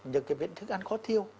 những cái vấn đề thức ăn khó thiêu